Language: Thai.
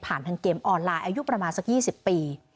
ทางเกมออนไลน์อายุประมาณสัก๒๐ปี